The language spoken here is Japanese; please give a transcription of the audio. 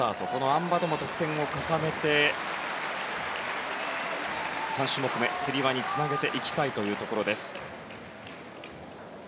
あん馬でも得点を重ねて３種目目、つり輪につなげていきたいところです。